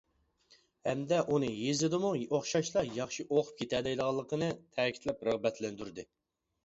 ھەمدە ئۇنى يېزىدىمۇ ئوخشاشلا ياخشى ئوقۇپ كېتەلەيدىغانلىقىنى تەكىتلەپ رىغبەتلەندۈردى.